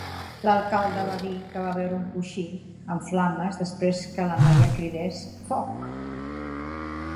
L'alcalde va dir que va veure un coixí en flames després que la noia cridés "foc!".